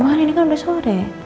makanya ini kan udah sore